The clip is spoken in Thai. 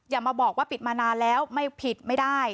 อย่ามาบอกว่าปิดมานานแล้วไม่ผิดไม่ได้